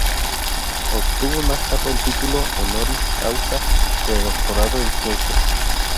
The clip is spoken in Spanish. Obtuvo más tarde el título "honoris causa" de doctorado en Ciencias.